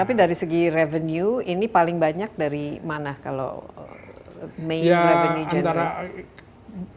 tapi dari segi revenue ini paling banyak dari mana kalau may revenue general